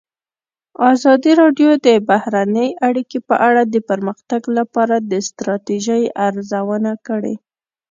ازادي راډیو د بهرنۍ اړیکې په اړه د پرمختګ لپاره د ستراتیژۍ ارزونه کړې.